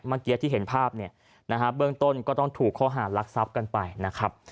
เมื่อกี้ที่เห็นภาพเนี่ยนะฮะเบื้องต้นก็ต้องถูกข้อหารักทรัพย์กันไปนะครับ